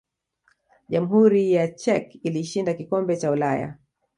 jamhuri ya czech ilishinda kikombe cha ulaya